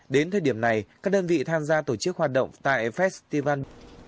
đến thời điểm này các đơn vị tham gia tổ chức hoạt động tại festival